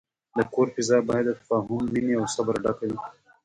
د کور فضا باید د تفاهم، مینې، او صبر ډکه وي.